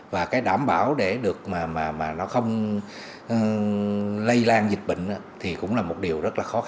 và cái đảm bảo để được mà nó không lây lan dịch bệnh thì cũng là một điều rất là khó